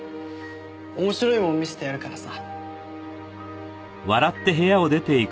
面白いもん見せてやるからさ。